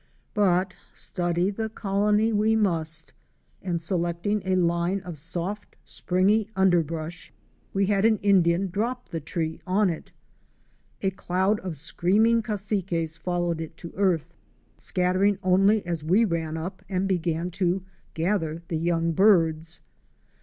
But study the colony we must, and selecting a line of soft, springy underbrush, we had an Indian drop the tree on it. A cloud of screaming Cassiques followed it to earth, scattering only as we ran up and began to gather the young birds.